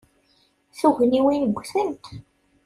Tugniwin ggtent.